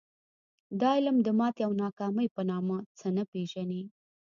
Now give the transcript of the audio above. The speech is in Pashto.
دا علم د ماتې او ناکامۍ په نامه څه نه پېژني